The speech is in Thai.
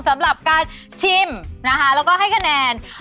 สำหรับการชิมและก็ให้คะแนน